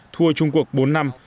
thua trung quốc bốn năm